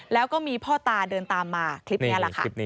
แล้วก็มีพ่อตาเดินตามมาคลิปนี้แหละค่ะ